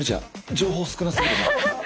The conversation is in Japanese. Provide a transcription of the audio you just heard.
情報少なすぎるな。